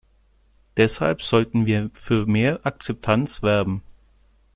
Deshalb sollten wir für mehr Akzeptanz werben.